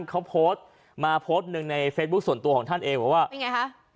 เขาโพสต์มาโพสต์หนึ่งในเฟซบุ๊คส่วนตัวของท่านเองบอกว่าเป็นไงคะ